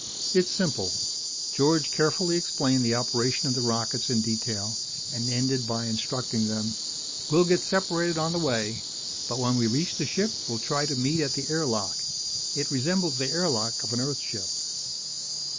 "It's simple." George carefully explained the operation of the rockets in detail and ended by instructing them, "We'll get separated on the way. But when we reach the ship, we'll try to meet at the air lock. It resembles the air lock of an Earth ship."